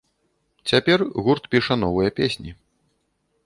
Цяпер гурт піша новыя песні.